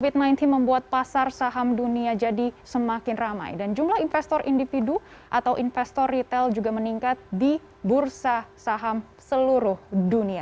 covid sembilan belas membuat pasar saham dunia jadi semakin ramai dan jumlah investor individu atau investor retail juga meningkat di bursa saham seluruh dunia